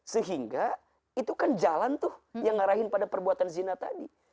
sehingga itu kan jalan tuh yang ngarahin pada perbuatan zina tadi